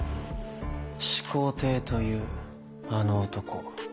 始皇帝というあの男。